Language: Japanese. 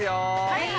はい。